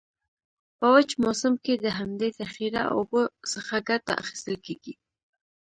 په وچ موسم کې د همدي ذخیره اوبو څخه کټه اخیستل کیږي.